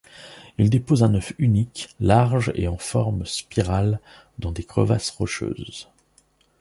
Ils déposent un œuf unique, large et en forme spirale, dans des crevasses rocheuses.